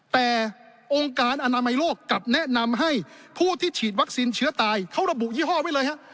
แต่องค์การอนามัยโลกกลับแนะนำให้ผู้ที่ฉีดวัคซีนเชื้อตายเขาระบุยี่ห้อไว้เลยฮะ